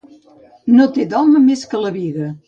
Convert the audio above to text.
No té d'home més que la biga.